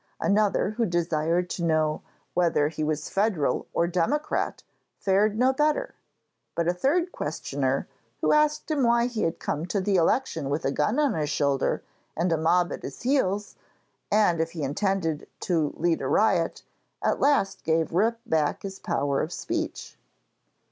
Another who desired to know 'whether he was Federal or Democrat' fared no better; but a third questioner, who asked why he had come to the election with a gun on his shoulder and a mob at his heels, and if he intended to head a riot, at last gave Rip back his power of speech.